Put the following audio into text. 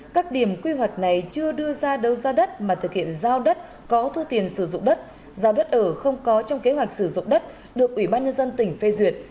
các điểm quy hoạch này chưa đưa ra đấu giá đất mà thực hiện giao đất có thu tiền sử dụng đất giao đất ở không có trong kế hoạch sử dụng đất được ủy ban nhân dân tỉnh phê duyệt